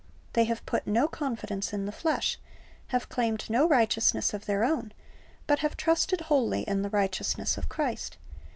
They have put no confidence in the flesh, have claimed no righteousness of their own, but have trusted wholly in the righteousness of Christ.